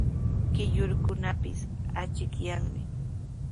Quyllurkunapis achikyanmi.